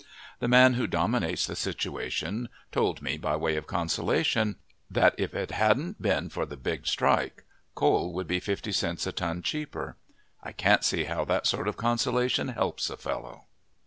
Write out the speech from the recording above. The man who dominates the situation told me by way of consolation that if it hadn't been for the big strike coal would be 50 cents a ton cheaper. I can't see how that sort of consolation helps a fellow.